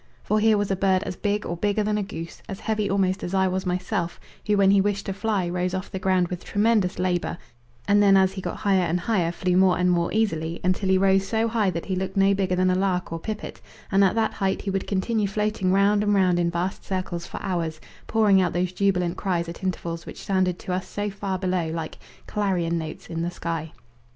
For here was a bird as big or bigger than a goose, as heavy almost as I was myself, who, when he wished to fly, rose off the ground with tremendous labour, and then as he got higher and higher flew more and more easily, until he rose so high that he looked no bigger than a lark or pipit, and at that height he would continue floating round and round in vast circles for hours, pouring out those jubilant cries at intervals which sounded to us so far below like clarion notes in the sky.